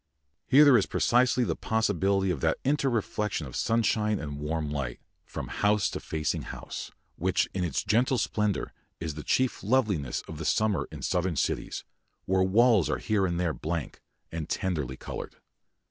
Here there is precisely the possibility of that inter reflection of sunshine and warm light, from house to facing house, which in its gentle splendour is the chief loveliness of summer in southern cities, where walls are here and there blank, and tenderly coloured.